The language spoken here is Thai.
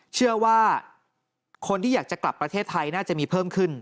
เชื่อว่าคนที่อยากจะกลับประเทศไทยน่าจะมีเพิ่มขึ้น